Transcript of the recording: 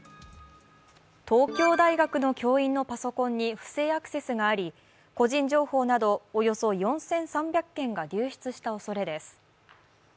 東京大学の教員のパソコンに不正アクセスがあり、個人情報などおよそ４３００件が流出したおそれです。